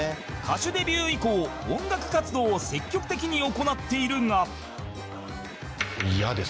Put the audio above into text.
歌手デビュー以降音楽活動を積極的に行っているが